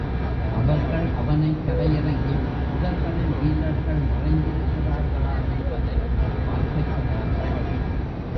அவர்கள் அவனைக் கரையிறங்கிப் புதர்களில் வீரர்கள் மறைந்திருக்கிறார்களா என்பதைப் பார்க்கச் சொன்னார்கள்.